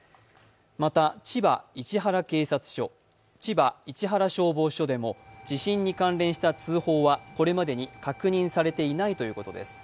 また、千葉市原警察署千葉市原消防署でも地震に関連した通報はこれまでに確認されていないということです。